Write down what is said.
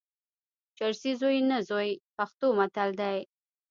چرسي زوی نه زوی، پښتو متل دئ.